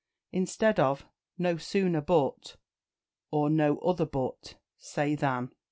Instead of "No sooner but," or "No other but," say "than."